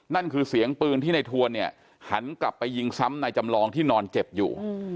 นั่นคือเสียงปืนที่ในทวนเนี่ยหันกลับไปยิงซ้ำนายจำลองที่นอนเจ็บอยู่